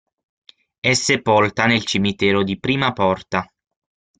È sepolta nel cimitero di Prima Porta.